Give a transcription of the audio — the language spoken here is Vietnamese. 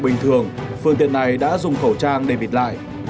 bình thường phương tiện này đã dùng khẩu trang để bịt lại